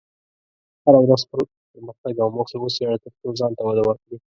هره ورځ خپل پرمختګ او موخې وڅېړه، ترڅو ځان ته وده ورکړې.